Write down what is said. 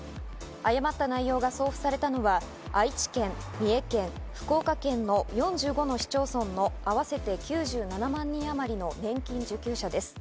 誤った内容が送付されたのは愛知県、三重県、福岡県の４５の市町村の合わせて９７万人あまりの年金受給者です。